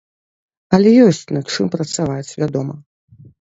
Але ёсць над чым працаваць, вядома!